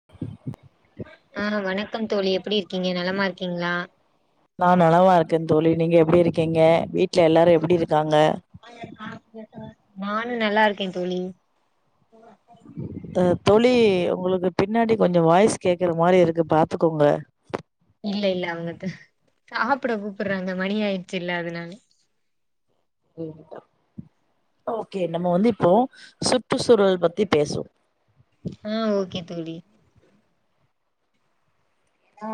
[inaudible] ஆ வணக்கம் தோழி எப்டி இருக்கீங்க நலமாருக்கீங்ளா நா நலவாருக்கே தோழி நீங்க எப்டி இருக்கீங்க வீட்ல எல்லாரு எப்டி இருக்காங்க நானு நல்லாருக்கே தோழி ஆ தோழி உங்களுக்கு பின்னாடி கொஞ்சோ வாய்ஸ் கேக்குற மாரி இருக்கு பாத்துக்கோங்க இல்லெல்ல அங்குட்டு சாப்புட கூப்புறாங்க மணி ஆய்டுச்சுல்ல அதனால ஓகே நம்ம வந்து இப்போ சுற்றுச்சூழல் பத்தி பேசுவோ ஆ ஓகே தோழி ஆ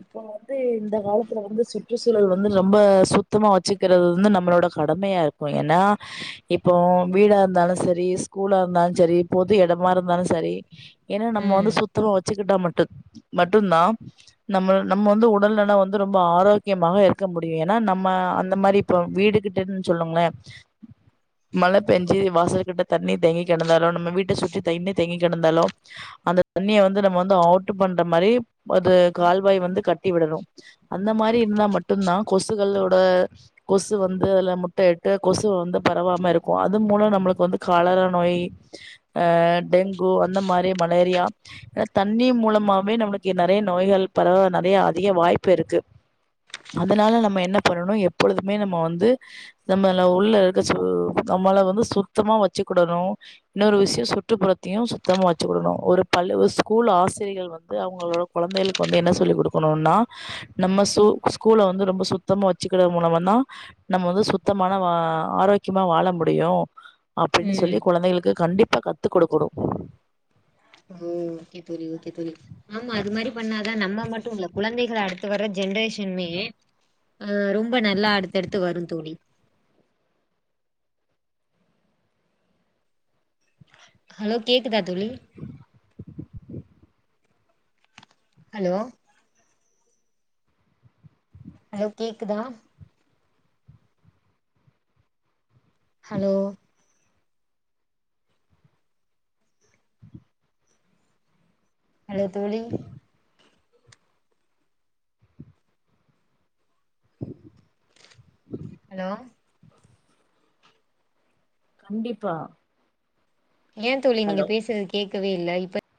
இப்ப வந்து இந்த காலத்துல வந்து சுற்றுச்சூழல் வந்து ரொம்ப சுத்தமா வச்சுக்குறது வந்து நம்மளோட கடமயாரு ப்போ ஏனா இப்போ வீடா இருந்தாலு செரி ஸ்கூலா இருந்தாலு செரி பொது எடமா இருந்தாலு செரி ஏனா நம்ம ம் வந்து சுத்தமா வச்சுக்கிட்டா மட்டு மட்டுந்தா நம்மள் நம்ம வந்து உடல் நலோ வந்து ரொம்ப ஆரோக்கியமாக இருக்க முடியு ஏனா நம்ம அந்த மாரி இப்போ வீடு கிட்டன் சொல்லுங்ளே மழ பேஞ்சு வாசல் கிட்ட தண்ணி தேங்கி கெடந்தாலு நம்ம வீட்ட சுற்றி தண்ணி தேங்கி கெடந்தாலு அந்த தண்ணிய வந்து நம்ம வந்து அவுட்டு பண்ற மாரி பொது கால்வாய் வந்து கட்டி விடணு அந்த மாரி இருந்தா மட்டுந்தா கொசுக்களோட கொசு வந்து அதுல முட்ட இட்டு கொசு வந்து பரவாம இருக்கு அது மூலோ நம்ளுக்கு வந்து காலரா நோய் ஆ டெங்கு அந்த மாரி மலேரியா தண்ணி மூலமாவே நம்ளுக் கே நறைய நோய்கள் பரவ நறையா அதிக வாய்ப்பிருக்கு அதனால நம்ம என்ன பண்ணணு எப்பொழுதுமே நம்ம வந்து நம்மள உள்ள இருக்க சு நம்மள வந்து சுத்தமா வச்சுக்கிடணு இன்னொரு விஷியோ சுற்றுப்புறத்தையு சுத்தமா வச்சுக்கிடணு ஒரு பள் ஸ்கூல் ஆசிரியர்கள் வந்து உங்களோட கொழந்தைகளுக்கு வந்து என்ன சொல்லி் குடுக்கணுனா நம்ம சு ஸ்கூல வந்து ரொம்ப சுத்தமா வச்சுக்கறது மூலமதா நம்ம வந்து சுத்தமான வா ஆரோக்யமா வாழ முடியு அப்டின்னு ம் சொல்லி குழந்தைகளுக்கு கண்டிப்பா கத்து குடுக்கணு ஓ ஓகேதோழி ஓகேதோழி ஆமா அதுமாரி பண்ணாதா நம்ம மட்டு இல்ல குழந்தைகள் அடுத்து வர்ற ஜென்ரேஷன்மே ஆ ரொம்ப நல்லா அடுத்தடுத்து வரு தோழி ஹலோ கேக்குதா தோழி ஹலோ ஹலோ கேக்குதா ஹலோ ஹலோ தோழி [inaudible] ஹலோ கண்டிப்பா ஏ தோழி நீங்க ஹலோ பேசுறது கேக்கவே இல்ல இப்ப